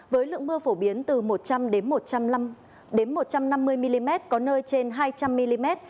với lượng mưa phổ biến từ một trăm linh một trăm năm mươi mm có nơi trên hai trăm linh mm